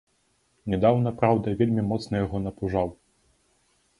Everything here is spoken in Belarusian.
Нядаўна, праўда, вельмі моцна яго напужаў.